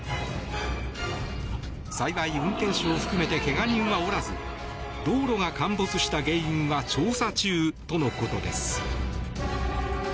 幸い運転手を含めて怪我人はおらず道路が陥没した原因は調査中とのことです。